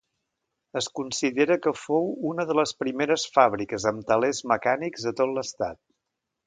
Es considera que fou una de les primeres fàbriques amb telers mecànics a tot l'Estat.